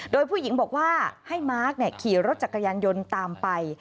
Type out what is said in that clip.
โดยผู้หญิงบอกว่าให้มาร์คขี่รถจักรยานยนต์ตามไป